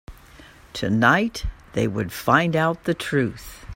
Tonight, they would find out the truth.